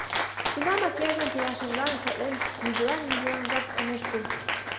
Тунамак эргын пелашыжлан шотлен, нигӧлан-нигӧланак ынеж пу...